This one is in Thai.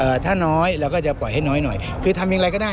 ถ้าน้อยเราก็จะปล่อยให้น้อยหน่อยคือทำอย่างไรก็ได้